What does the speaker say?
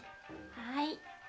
はい。